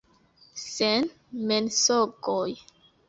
Sen mensogoj!